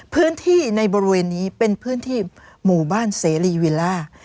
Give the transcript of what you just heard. พื้นที่ในบริเวณนี้เป็นพื้นที่หมู่บ้านเสรีวิลล่า